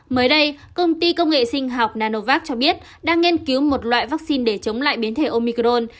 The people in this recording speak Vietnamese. mới đây công ty công nghệ sinh học nanovac cho biết đang nghiên cứu một loại vaccine để chống lại biến thể omicron